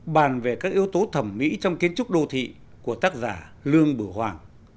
bàn về các yếu tố thẩm mỹ trong kiến trúc đô thị của tác giả lương bửu hoàng